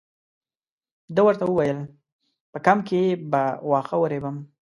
ده ورته وویل په کمپ کې به واښه ورېبم.